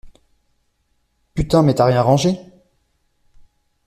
Putain mais t'as rien rangé?!